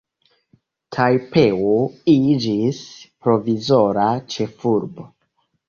Tajpeo iĝis provizora ĉefurbo.